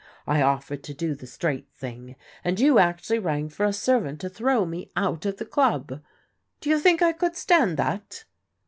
I offered to do the straight thing, and you actually rang for a servant to throw me out of the club. Do you think I could stand that